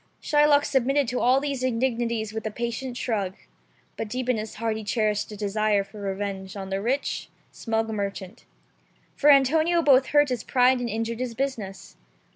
Shylock submitted to all these indignities with a patient shrug ; but deep in his heart he cherished a desire for revenge on the rich, smug merchant. For Antonio both hurt his pride and injured his business.